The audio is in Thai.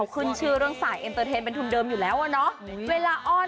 มุมโชว์โชว์อ่อยแบบเน้น